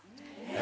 え！